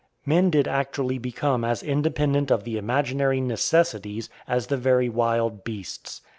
Men did actually become as independent of the imaginary "necessities" as the very wild beasts.